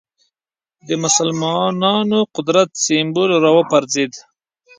د مسلمانانو قدرت سېمبول راوپرځېد